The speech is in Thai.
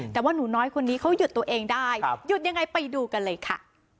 แต่ว่าหนูน้อยคนนี้เขาหยุดตัวเองได้หยุดยังไงไปดูกันเลยค่ะ